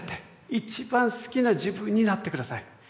一番好きな自分になって下さい。